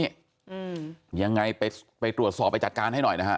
อืมยังไงไปไปตรวจสอบไปจัดการให้หน่อยนะฮะ